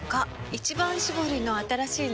「一番搾り」の新しいの？